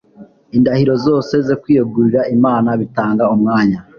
Indahiro zose no kwiyegurira Imana bitanga umwanya